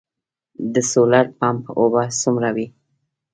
د سولر پمپ اوبه څومره وي؟